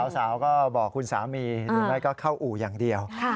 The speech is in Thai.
สาวก็บอกคุณสามีหรือไม่ก็เข้าอู่อย่างเดียว